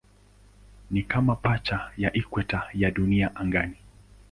Ni kama pacha ya ikweta ya Dunia angani.